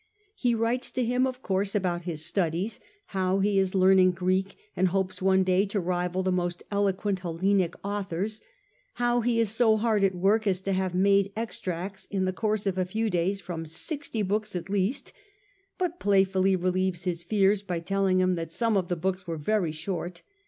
He writes to him of course about his studies, how he is learning Greek and hopes one day to rival the most eloquent Hellenic authors, how he is so hard at work as to have made ex tracts in the course of a few days from sixty books at least, but playfully relieves his fears by telling him that some of the books were very short.